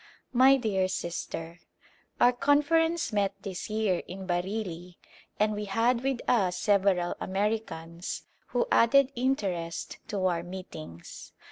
My dear Sister : Our Conference met this year in Bareilly and we had with us several Americans, who added interest to our meetings.